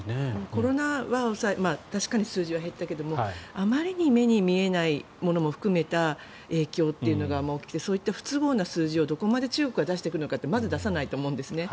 コロナの数字は確かに減ったけどあまりに目に見えないものも含めた影響というのがそういう不都合な数字を中国がどこまで出すのかってまず出さないと思うんですね。